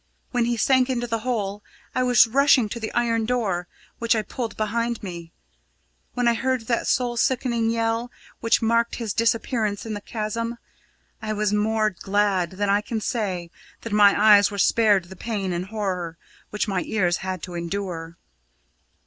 When he sank into the hole, I was rushing to the iron door, which I pulled behind me. When I heard that soul sickening yell, which marked his disappearance in the chasm, I was more glad than I can say that my eyes were spared the pain and horror which my ears had to endure.